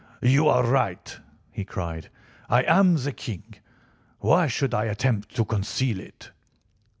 "You are right," he cried; "I am the King. Why should I attempt to conceal it?"